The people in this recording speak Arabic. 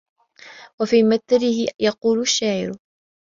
وَفِي مِثْلِهِ يَقُولُ الشَّاعِرُ